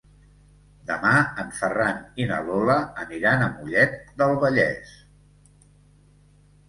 Demà en Ferran i na Lola aniran a Mollet del Vallès.